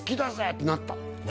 ってなった？